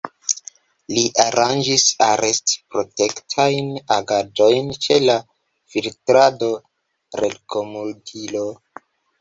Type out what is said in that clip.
Li aranĝis arest-protektajn agadojn ĉe la Filtrado-Relkomutilo.